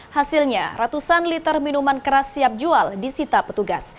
hasilnya ratusan liter minuman keras siap jual disita petugas